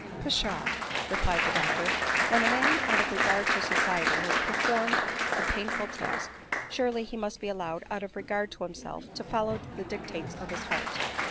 " Pshaw !" replied the doctor ;" when a man out of regard to society has performed a painful task, surely he may be allowed, out of regard to himself, to follow the dictates of his heart.